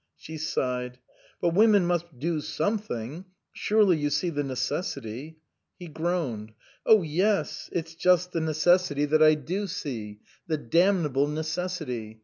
She sighed. " But women must do something surely you see the necessity ?" He groaned. "Oh yes. It's just the necessity that I do 269 SUPERSEDED see the damnable necessity.